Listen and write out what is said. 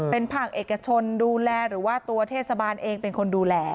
เป็นภาคเอกชนดูแลหรือว่าตัวเทศบาลเองเป็นคนดูแล